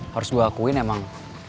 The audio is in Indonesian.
harus gue akuin emang